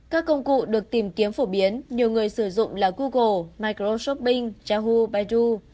các công cụ được tìm kiếm phổ biến nhiều người sử dụng là google microsoft bing yahoo baidu